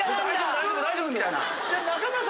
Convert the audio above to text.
「大丈夫大丈夫」みたいな。